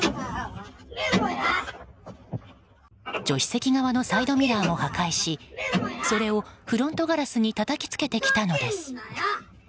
助手席側のサイドミラーも破壊しそれをフロントガラスにたたきつけてきたのです。